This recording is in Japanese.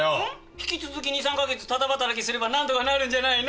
引き続き２、３か月タダ働きすれば何とかなるんじゃないの？